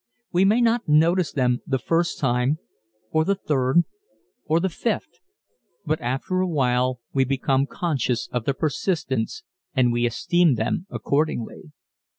We may not notice them the first time, or the third, or the fifth, but after a while we become conscious of their persistence and we esteem them accordingly.